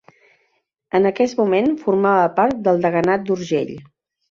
En aquest moment formava part del deganat d'Urgell.